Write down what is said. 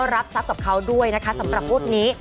รับทรัพย์กับเขาด้วยนะคะสำหรับงวดนี้